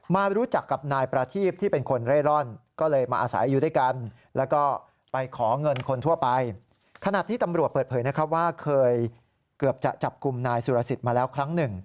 มารู้จักกับนายประทีพที่เป็นคนเร่ร่อน